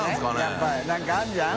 笋辰何かあるんじゃん？